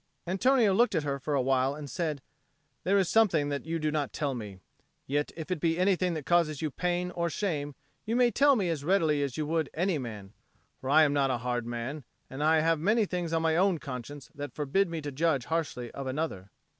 Antonio looked at her for a while and said, "There is something that you do not tell me. Yet if it be anything that causes you pain or shame, you may tell me as readily as you would any man. For I am not a hard man, and I have many things on my own conscience that forbid me to judge harshly of another."